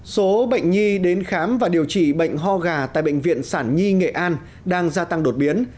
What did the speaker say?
số bệnh nhi đến khám và điều trị bệnh ho gà tại bệnh viện sản nhi nghệ an đang gia tăng đột biến